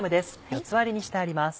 ４つ割りにしてあります。